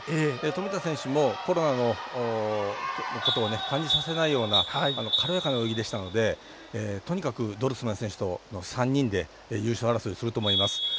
富田選手もコロナのことを感じさせないような軽やかな泳ぎでしたのでとにかく、ドルスマン選手との３人で優勝争いをすると思います。